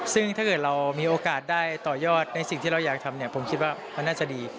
ซึ่งถ้าเกิดเรามีโอกาสได้ต่อยอดในสิ่งที่เราอยากทำผมคิดว่ามันน่าจะดี